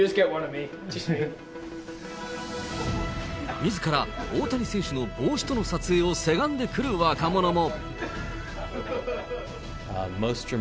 みずから大谷選手の帽子との撮影をせがんでくる若者も。